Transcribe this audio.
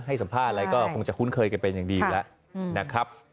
ให้สัมภาษณ์อะไรก็คงจะคุ้นเคยกันเป็นอย่างดีอยู่แล้วนะครับ